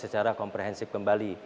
kita akan komprehensif kembali